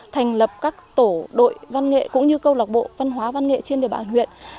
thành lập các tổ đội văn nghệ cũng như câu lạc bộ văn hóa văn nghệ trên địa bàn huyện